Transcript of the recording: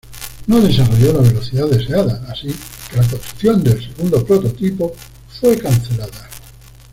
No desarrolló la velocidad deseada, así que la construcción del segundo prototipo fue cancelada.